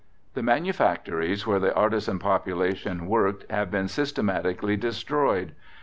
The manufactories where the artisan population worked have been systematically destroyed.